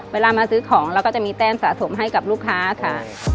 เวลามาซื้อของเราก็จะมีแต้มสะสมให้กับลูกค้าค่ะ